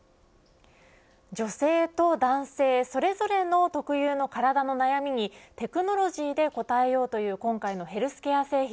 女性と男性それぞれの特有の体の悩みにテクノロジーで応えようという今回のヘルスケア製品。